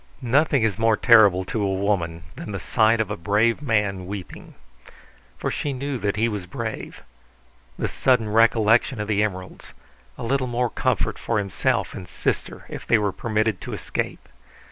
Nothing is more terrible to a woman than the sight of a brave man weeping. For she knew that he was brave. The sudden recollection of the emeralds; a little more comfort for himself and sister if they were permitted to escape.